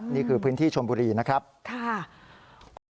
นี่คือพื้นที่ชมบุรีนะครับค่ะขอบคุณครับ